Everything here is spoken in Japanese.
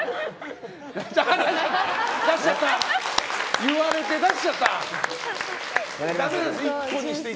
言われて出しちゃった！